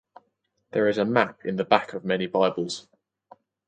There is a map in the back of many bibles.